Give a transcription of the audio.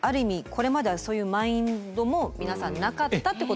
これまではそういうマインドも皆さんなかったってことなんですね。